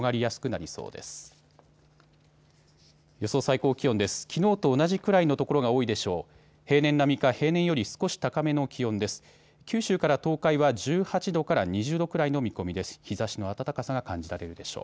きのうと同じくらいの所が多いでしょう。